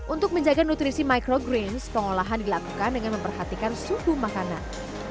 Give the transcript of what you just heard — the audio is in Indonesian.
untuk menjaga nutrisi microgreens pengolahan dilakukan dengan memperhatikan suhu makanan